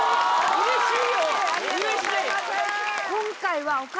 うれしい！